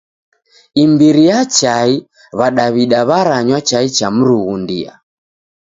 Imbiri ya chai, W'adaw'ida w'aranywa chai cha mrughundia.